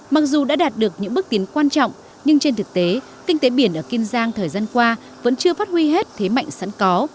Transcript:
mặc dù đã đạt được những bước tiến quan trọng nhưng trên thực tế kinh tế biển ở kiên giang thời gian qua vẫn chưa phát huy hết thế mạnh sẵn có